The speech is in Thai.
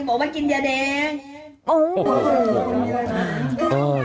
บอกว่ากินยาแดง